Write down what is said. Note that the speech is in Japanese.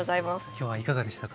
今日はいかがでしたか？